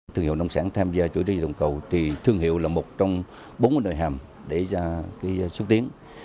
thương hiệu nông sản tham gia chuỗi giá trị toàn cầu thì thương hiệu là một trong bốn nội hàm để xuất tiến